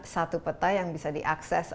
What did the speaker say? satu peta yang bisa diakses